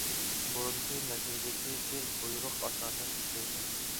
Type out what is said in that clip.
بۇرۇنقى نەشرىدىكى تېز بۇيرۇق ئاساسەن ئىشلەيدۇ.